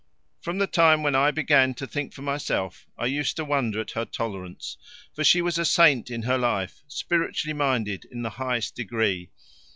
From the time when I began to think for myself I used to wonder at her tolerance; for she was a saint in her life, spiritually minded in the highest degree.